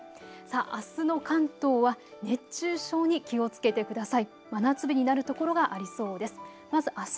あすの関東は熱中症に気をつけてください。